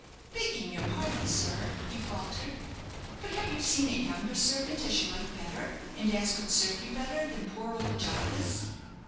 "Begging your pardon, sir," he faltered; "but have you seen a younger servant as you like better and as could serve you better, than poor old Jarvis?"